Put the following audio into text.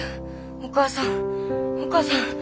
お母さんお母さん。